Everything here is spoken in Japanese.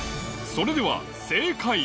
それでは正解。